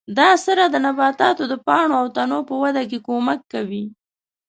دا سره د نباتاتو د پاڼو او تنو په وده کې کومک کوي.